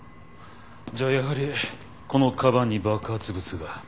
じゃあやはりこの鞄に爆発物が。